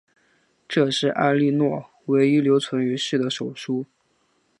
这是埃莉诺唯一留存于世的手书。